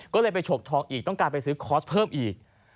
ก็เลยไปฉกทองอีกต้องการไปซื้อคอร์สเพิ่มอีก